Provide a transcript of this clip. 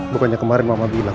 bukannya kemarin mama bilang